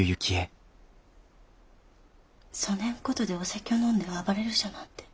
そねんことでお酒ょう飲んで暴れるじゃなんて。